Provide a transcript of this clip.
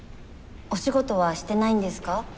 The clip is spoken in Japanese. お仕事はしてないんですか？